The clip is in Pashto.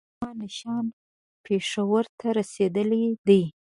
زمانشاه پېښور ته رسېدلی دی.